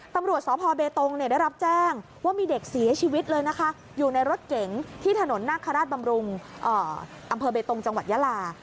ตำรวจสพเบตงได้รับแจ้งว่ามีเด็กเสียชีวิตเลยนะคะอยู่ในรถเก๋งที่ถนนนาคาราชบำรุงอำเภอเบตงจังหวัดยาลา